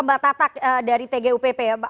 mbak tatak dari tgupp ya